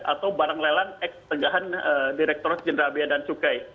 atau barang lelang ex tengahan direktur jendral bea dan cukai